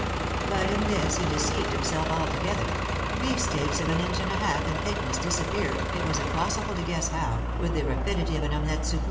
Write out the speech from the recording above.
But in this he deceived himself altogether ; beefsteaks of an inch and a half in thickness disappeared, it was impossible to guess how, with the rapidity of an omelette souffl.